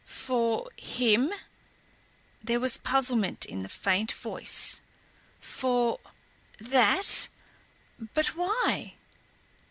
"For him?" There was puzzlement in the faint voice. "For that? But why?"